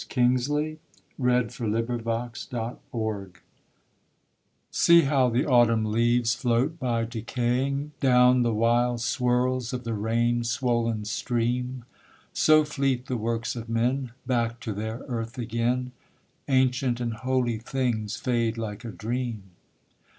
Eversley, 1848. OLD AND NEW: A PARABLE See how the autumn leaves float by decaying, Down the wild swirls of the rain swollen stream. So fleet the works of men, back to their earth again; Ancient and holy things fade like a dream.